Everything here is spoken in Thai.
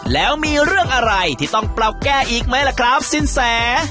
แล้วมีเรื่องอะไรที่ต้องปรับแก้อีกไหมล่ะครับสินแส